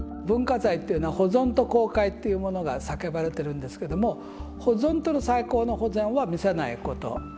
文化財っていうのは保存と公開っていうものが叫ばれてるんですけども保存という最高の保全は見せないこと。